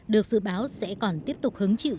được dự báo sẽ còn tiếp tục hứng chịu